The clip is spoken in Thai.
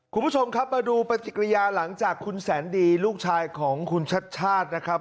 คุณผู้ชมครับมาดูปฏิกิริยาหลังจากคุณแสนดีลูกชายของคุณชัดชาตินะครับ